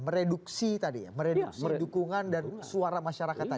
mereduksi tadi ya mereduksi dukungan dan suara masyarakat tadi